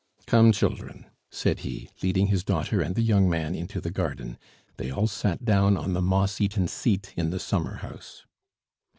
"Come, children," said he, leading his daughter and the young man into the garden; they all sat down on the moss eaten seat in the summer house.